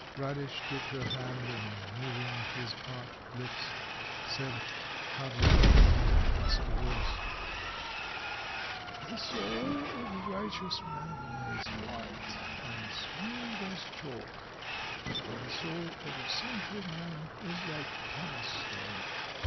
Radish took her hand and, moving his parched lips, said, hardly audibly, in a husky voice: "The soul of a righteous man is white and smooth as chalk, but the soul of a sinful man is like pumice stone.